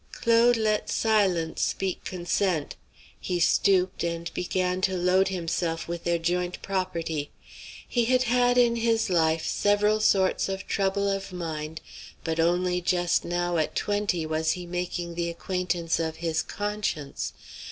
Claude let silence speak consent. He stooped, and began to load himself with their joint property. He had had, in his life, several sorts of trouble of mind; but only just now at twenty was he making the acquaintance of his conscience.